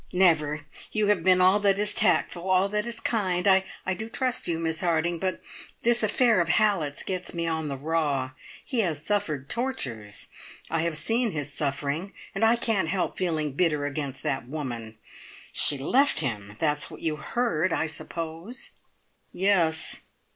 Never! You have been all that is tactful all that is kind. I do trust you, Miss Harding, but this affair of Hallett's gets me on the raw. He has suffered tortures. I have seen his suffering, and I can't help feeling bitter against that woman. She left him! That's what you heard, I suppose?" "Yes.